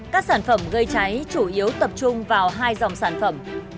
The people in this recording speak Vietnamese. các sản phẩm gây cháy chủ yếu tập trung vào hai dòng sản phẩm